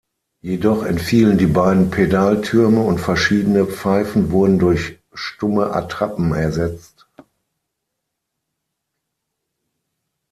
Jedoch entfielen die beiden Pedaltürme und verschiedene Pfeifen wurden durch stumme Attrappen ersetzt.